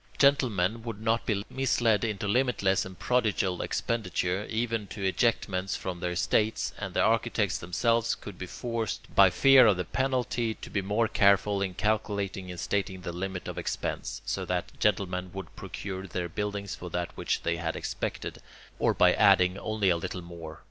Gentlemen would not be misled into limitless and prodigal expenditure, even to ejectments from their estates, and the architects themselves could be forced, by fear of the penalty, to be more careful in calculating and stating the limit of expense, so that gentlemen would procure their buildings for that which they had expected, or by adding only a little more.